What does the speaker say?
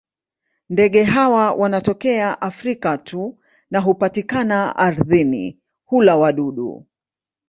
Ndege hawa wanatokea Afrika tu na hupatikana ardhini; hula wadudu.